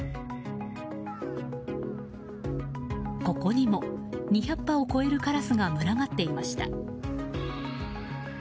ここにも２００羽を超えるカラスが群がっていました。